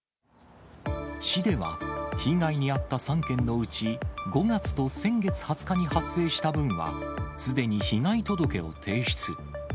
市では、被害に遭った３件のうち、５月と先月２０日に発生した分は、すでに被害届を提出。